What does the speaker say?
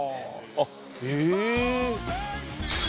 あっへえ！